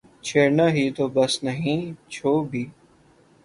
چھیڑنا ہی تو بس نہیں چھو بھی